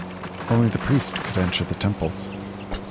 Only the priests could enter the temples.